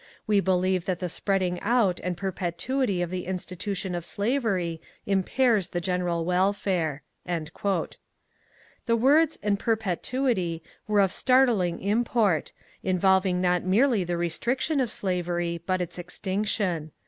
We believe that the spreading out and perpetuity of the institution of slavery impairs the general welfare." The words ^' and perpetuity " were of startling import, in volving not merely the restriction of slavery but its extinction.